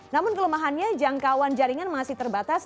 namun kelemahannya jangkauan jaringan masih terbatas